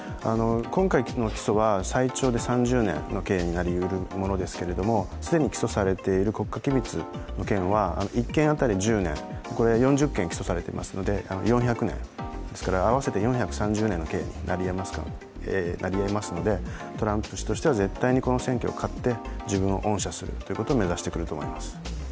今回の起訴は最長で３０年の刑になりうるものですけれども、既に起訴されている国家機密の件は１件当たり１０年、４０件起訴されていますので４００年、ですから４３０年の刑になりえますので、トランプ氏としては絶対にこの選挙に勝って自分に恩赦するというのを目指すと思います。